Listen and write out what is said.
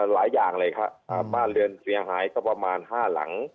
หลายอย่างเลยครับบ้านเรือนเสียหายสักประมาณ๕หลัง